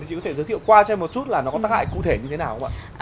thì chị có thể giới thiệu qua cho em một chút là nó có tác hại cụ thể như thế nào không ạ